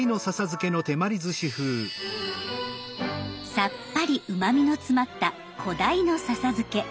さっぱりうまみの詰まった小鯛の笹漬け。